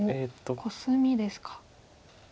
コスミですか。